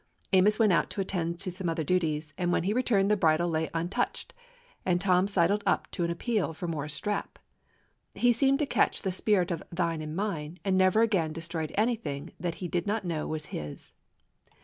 Amos went out to attend to some other duties; when he returned the bridle lay un touched, and Tom sidled up to appeal for more strap. He seemed to catch the spirit of "thine and mine, ,, and never again destroyed anything that he did not know was his.